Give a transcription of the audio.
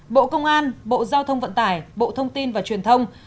bộ công an bộ giao thông vận tải bộ thông tin và truyền thông